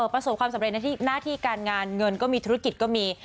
ประสบความสำเร็จในหน้าที่การงานเงินก็มีธุรกิจก็มี